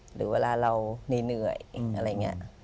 หรือเวลาเรานี่เหนื่อยอะไรเงี้ย